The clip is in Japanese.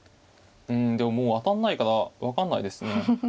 うんでももう当たんないから分かんないですね。